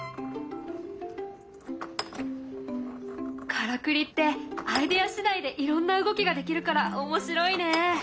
からくりってアイデア次第でいろんな動きができるから面白いね。